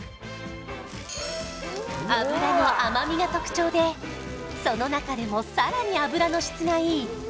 脂の甘みが特徴でその中でもさらに脂の質がいい